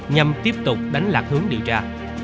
nhằm tiếp tục đánh lạc hướng điều tra